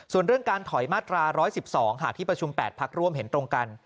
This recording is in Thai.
ส่วนเรื่องการถอยมาตรา๑๑๒หากที่ประชุม๘พักร่วมเห็นตรงกัน